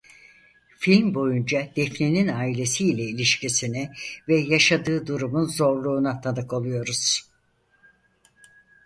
Film boyunca Defne'nin ailesi ile ilişkisini ve yaşadığı durumun zorluğuna tanık oluyoruz.